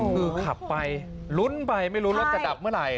คือขับไปลุ้นไปไม่รู้รถจะดับเมื่อไหร่